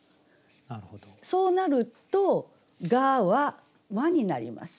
そうなると「が」は「は」になります。